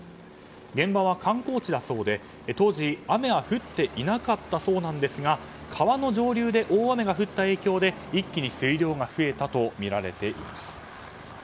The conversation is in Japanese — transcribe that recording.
現場は観光地だそうで当時、雨は降っていなかったそうなんですが川の上流で大雨が降った影響で一気に水量が増えたとみられています。